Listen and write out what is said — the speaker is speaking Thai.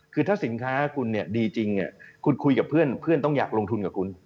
คือถ้าสินค้าคุณเนี่ยดีจริงคุณคุยกับเพื่อนต้องอยากลงทุนกับคุณ